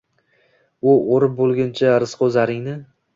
U o’rib bo’lguncha rizqu zaringni